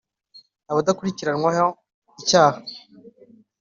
adakurikiranwaho icyaha;